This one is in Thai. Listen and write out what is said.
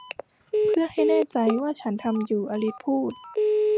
'เพื่อให้แน่ใจว่าฉันทำอยู่' อลิสพูด